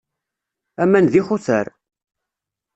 Aman d ixutar.